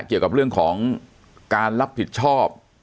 เกี่ยวกับเรื่องของการรับผิดชอบ